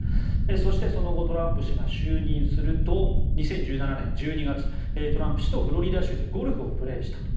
そして、その後トランプ氏が就任すると２０１７年１２月トランプ氏とフロリダ州でゴルフをプレーしたと。